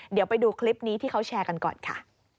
เดี๋ยวไปดูคลิปนี้ที่เขาแชร์กันก่อนค่ะ